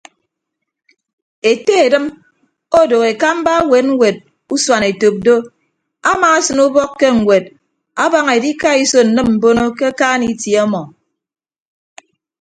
Ete edịm odooho ekamba ewet ñwet usuanetop do amaasịn ubọk ke ñwed abaña edikaiso nnịm mbono ke akaan itie ọmọ.